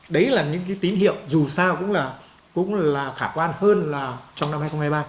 đấy là những tín hiệu dù sao cũng là khả quan hơn trong năm hai nghìn hai mươi ba